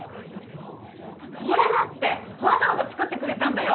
これだってわざわざ作ってくれたんだよ。